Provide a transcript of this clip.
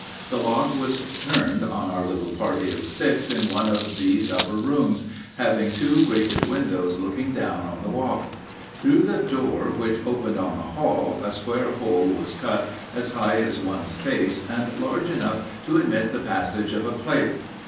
The lock was turned on our little party of six in one of these upper rooms, having two grated windows looking down on the walk. Through the door which opened on the hall a square hole was cut as high as one's face and large enough to admit the passage of a plate.